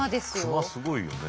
クマすごいよね。